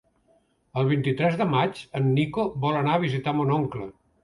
El vint-i-tres de maig en Nico vol anar a visitar mon oncle.